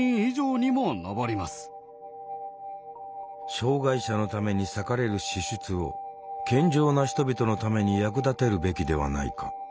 障害者のために割かれる支出を健常な人々のために役立てるべきではないか。